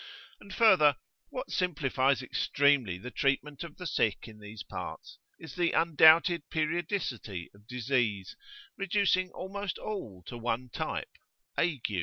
And further, what simplifies extremely the treatment of the sick in these parts is the undoubted periodicity of disease, reducing almost all to one type ague.